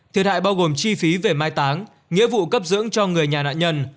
thiệt hại bao gồm chi phí về mai táng nghĩa vụ cấp dưỡng cho người nhà nạn nhân